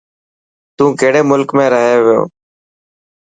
تو ڪهڙي ملڪ ۾ رهي و.